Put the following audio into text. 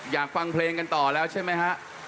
อยากฟังเพลงกันต่อแล้วใช่ไหมฮะ